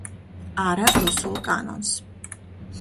არა რუსულ კანონს.